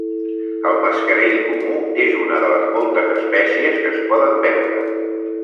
El mascarell comú és una de les moltes espècies que es poden veure.